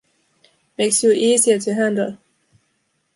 Makes you easier to handle.